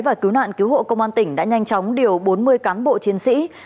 và cứu nạn cứu hộ công an tỉnh đã nhanh chóng điều bốn mươi cán bộ chiến sĩ